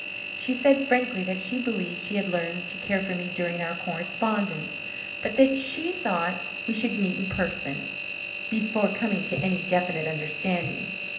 She said frankly that she believed she had learned to care for me during our correspondence, but that she thought we should meet in person, before coming to any definite understanding.